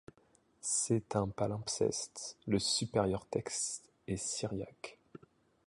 C'est un palimpseste, le supérieur texte est syriaque.